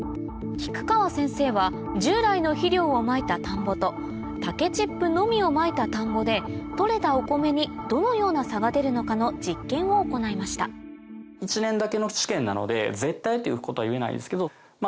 菊川先生は従来の肥料をまいた田んぼと竹チップのみをまいた田んぼで取れたお米にどのような差が出るのかの実験を行いましたなので絶対ということは言えないんですけど。